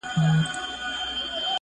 طالبان د افغانستان په تاریخ کې